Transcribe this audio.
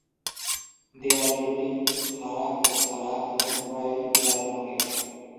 দেয়ালগুলি খাড়া ও খাড়া এবং প্রায়ই লাল রঙের।